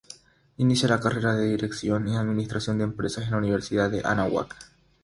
Inicia la carrera de Dirección y Administración de Empresas en la Universidad Anáhuac.